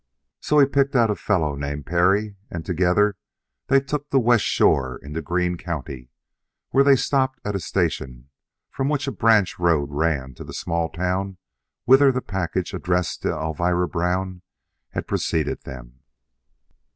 So he picked out a fellow named Perry; and together they took the West Shore into Greene County, where they stopped at a station from which a branch road ran to the small town whither the package addressed to Elvira Brown had preceded them.